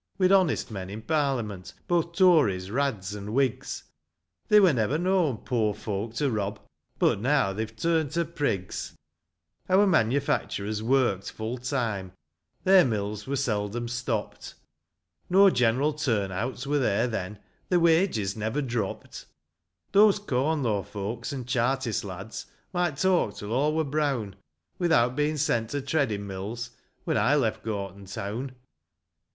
We'd honest men in Parliament, 1 Both Tories, Rads, and Whigs ; They were never known poor folk to rob, But now they've turn'd to prigs. 192 ANCIENT BALLADS AND Our manufact'rers work'd full time, Their mills were seldom stopt ; No general turn outs were there then, Their wages never dropt. Those Corn law folks and Chartist lads Might talk till all were brown, Without being sent to treading mills, When I left Gorton town.